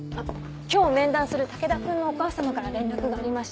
今日面談する武田君のお母様から連絡がありまして。